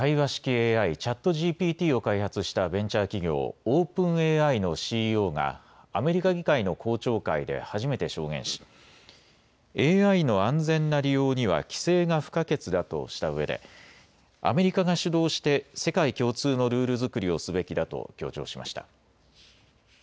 ＡＩ、ＣｈａｔＧＰＴを開発したベンチャー企業、オープンＡＩのＣＥＯがアメリカ議会の公聴会で初めて証言しＡＩの安全な利用には規制が不可欠だとしたうえでアメリカが主導して世界共通のルール作りをすべきだと強調しました。